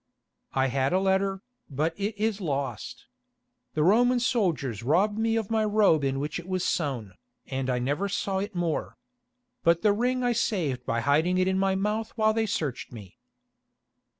"I had a letter, but it is lost. The Roman soldiers robbed me of my robe in which it was sewn, and I never saw it more. But the ring I saved by hiding it in my mouth while they searched me."